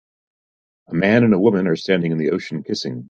A man and a woman are standing in the ocean kissing.